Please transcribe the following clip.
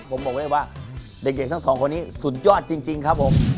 ผมบอกเลยว่าเด็กทั้งสองคนนี้สุดยอดจริงครับผม